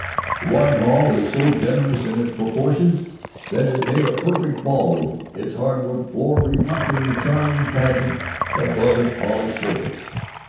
The wide hall is so generous in its proportions that it made a perfect ballroom, its hardwood floor reflecting the charming pageant above its polished surface.